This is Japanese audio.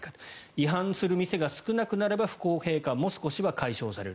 違反する店が少なくなれば不公平感も少しは解消される。